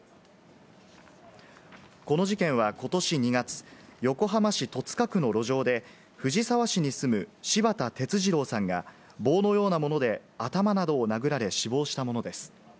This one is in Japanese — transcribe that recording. この事件はことし２月、横浜市戸塚区の路上で、藤沢市に住む柴田哲二郎さんが棒のようなもので頭などを殴られ死亡したものです。